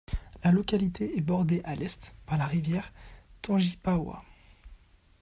La localité est bordée à l'est par la rivière Tangipahoa.